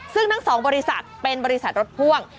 ซึ่งทั้ง๒บริษัทเป็นบริษัทรถพ่วง